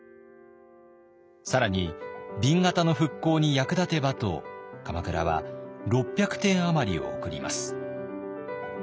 更に紅型の復興に役立てばと鎌倉は６００点余りをおくります。